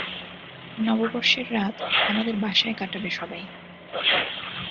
নববর্ষের রাত আমাদের বাসায় কাটাবে সবাই।